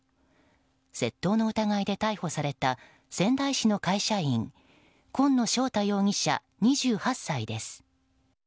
窃盗の疑いで逮捕された仙台市の会社員今野翔太容疑者、２８歳です。